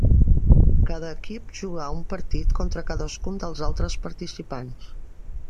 Cada equip jugà un partit contra cadascun dels altres participants.